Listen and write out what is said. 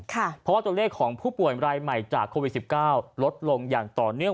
เพราะว่าตัวเลขของผู้ป่วยรายใหม่จากโควิด๑๙ลดลงอย่างต่อเนื่อง